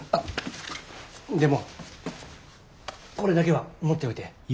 でもこれだけは持っておいて。